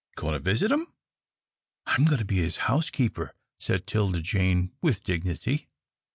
Going to visit him?" "I'm goin' to be his housekeeper," said 'Tilda Jane, with dignity.